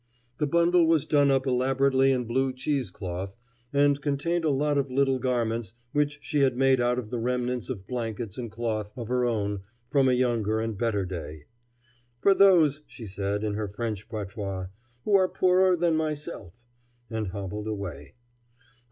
The bundle was done up elaborately in blue cheese cloth, and contained a lot of little garments which she had made out of the remnants of blankets and cloth of her own from a younger and better day. "For those," she said, in her French patois, "who are poorer than myself"; and hobbled away.